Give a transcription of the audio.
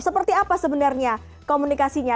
seperti apa sebenarnya komunikasinya